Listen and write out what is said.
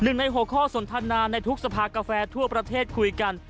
ใน๖ข้อสนทนาในทุกสภากาแฟทั่วประเทศคุยกัน